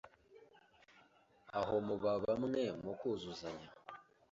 aho muba bamwe mukuzuzanya